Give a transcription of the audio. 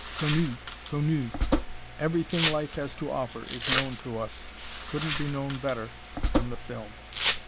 Connu! Connu! Everything life has to offer is known to us, couldn't be known better, from the film.